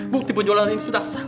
bukti penjualan ini sudah sah